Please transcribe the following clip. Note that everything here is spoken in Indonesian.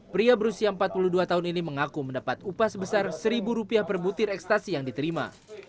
pria berusia empat puluh dua tahun ini mengaku mendapat upah sebesar rp satu per butir ekstasi yang diterima